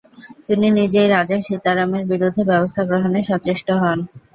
তিনি নিজেই রাজা সীতারাম এর বিরুদ্ধে ব্যবস্থা গ্রহণে সচেষ্ট হন।